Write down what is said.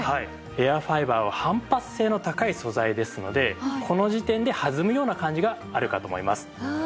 エアファイバーは反発性の高い素材ですのでこの時点で弾むような感じがあるかと思います。